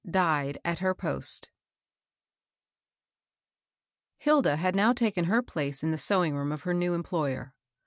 DIED AT HER POST I ILD A had now taken her place in the sew ing room of her new employer.